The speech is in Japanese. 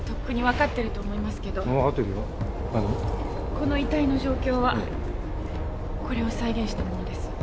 この遺体の状況はこれを再現したものです。